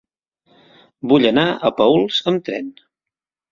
Vull anar a Paüls amb tren.